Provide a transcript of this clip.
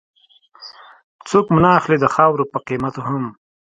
څوک مو نه اخلي د خاورو په قيمت هم